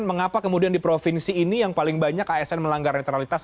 mengapa kemudian di provinsi ini yang paling banyak asn melanggar netralitas